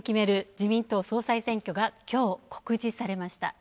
自民党総裁選挙がきょう、告示されました。